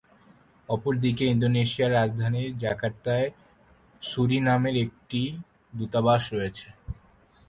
অপরদিকে, ইন্দোনেশিয়ার রাজধানী জাকার্তায় সুরিনামের একটি দূতাবাস রয়েছে।